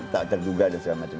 tak terduga dan segala macam